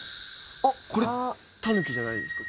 あっこれタヌキじゃないですか？